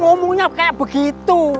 ngomongnya kayak begitu